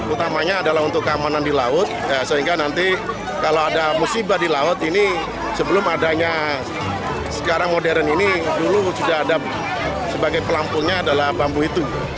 utamanya adalah untuk keamanan di laut sehingga nanti kalau ada musibah di laut ini sebelum adanya sekarang modern ini dulu sudah ada sebagai pelampungnya adalah bambu itu